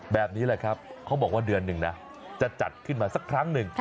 แบบนี้แหละครับเขาบอกว่าเดือนหนึ่งนะจะจัดขึ้นมาสักครั้งหนึ่ง